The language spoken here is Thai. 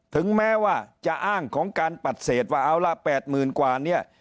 ถึงแม้ว่าจะอ้างของการปัดเศษวะเอาล่ะแปดหมื่นกว่านี้